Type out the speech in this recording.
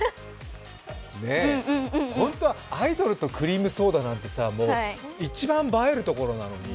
ねぇ、ホントはアイドルとクリームソーダなんて一番映えるところなのに。